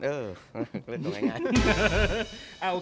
เลือกตรงง่าย